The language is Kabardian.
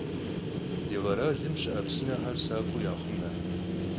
Di kheralım şı'e psınexer sakhıu yaxhume.